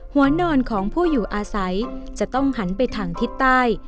หัวนอนของผู้อยู่อาศัยจะต้องหันไปทางทิศใต้